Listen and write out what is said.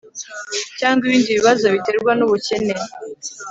cyangwa ibindi bibazo biterwa n'ubukene